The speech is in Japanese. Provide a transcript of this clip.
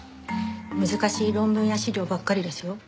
難しい論文や資料ばっかりですよ。